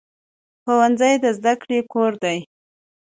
ښوونځی د زده کړې کور دی